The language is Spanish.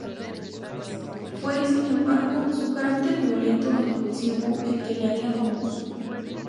Fue, sin embargo, su carácter violento e impulsivo el que le haría famoso.